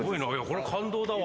これは感動だわ。